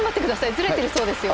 ずれてるそうですよ。